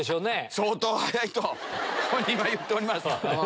相当早いと本人は言ってます。